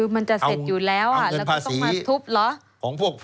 มันจะเสร็จอยู่แล้วแล้วต้องมาทุบเหรอเอาเงินภาษีของพวกผม